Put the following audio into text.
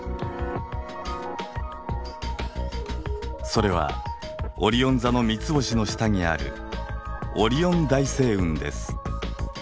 それはオリオン座の３つ星の下にあるオリオン大星雲です。